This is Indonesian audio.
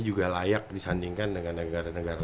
juga layak disandingkan dengan negara negara